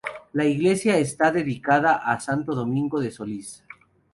La iglesia está dedicada a santo Domingo de Silos.